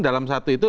dalam satu itu